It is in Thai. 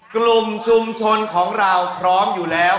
กลุ่มชุมชนของเราพร้อมอยู่แล้ว